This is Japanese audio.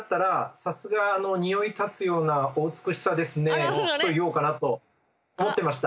「さすが匂い立つようなお美しさですね」って言おうかなと思ってました。